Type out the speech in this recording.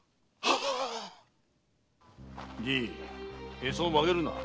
へそを曲げるな。